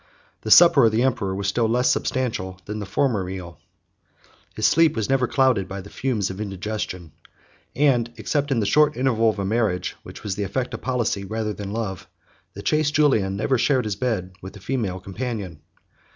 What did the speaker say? The supper of the emperor was still less substantial than the former meal; his sleep was never clouded by the fumes of indigestion; and except in the short interval of a marriage, which was the effect of policy rather than love, the chaste Julian never shared his bed with a female companion.